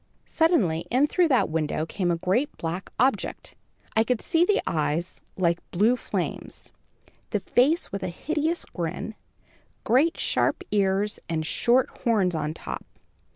Suddenly in through that window came a great black object. I could see the eyes like blue flames, the face with a hideous grin, great sharp ears and short horns on top.